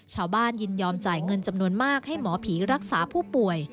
ยินยอมจ่ายเงินจำนวนมากให้หมอผีรักษาผู้ป่วย